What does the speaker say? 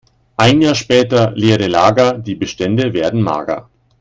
Ein Jahr später: Leere Lager, die Bestände werden mager.